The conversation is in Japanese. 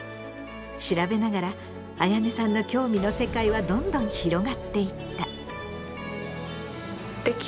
調べながらあやねさんの興味の世界はどんどん広がっていった。